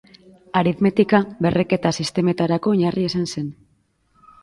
Aritmetika berreketa-sistemetarako oinarria izan zen.